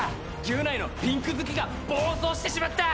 ギュナイのピンク好きが暴走してしまった！